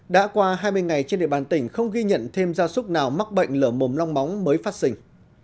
đã qua hai mươi ngày trên địa bàn tỉnh không ghi nhận thêm gia súc nào mắc bệnh lở mồm long móng mới phát sinh